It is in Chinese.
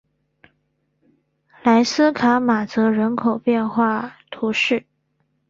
莱斯卡马泽人口变化图示